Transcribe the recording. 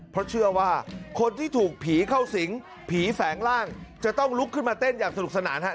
เพราะเชื่อว่าคนที่ถูกผีเข้าสิงผีแฝงร่างจะต้องลุกขึ้นมาเต้นอย่างสนุกสนานฮะ